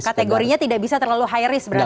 kategorinya tidak bisa terlalu high risk berarti